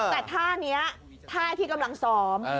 แต่ท่านี้ท่าที่กำลังซ้อม